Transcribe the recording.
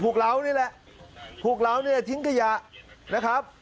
ภูเขาระอันนี้แหละทิ้งกระยะนะครับ